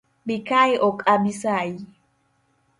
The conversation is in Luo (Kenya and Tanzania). Bikae ok abisayi.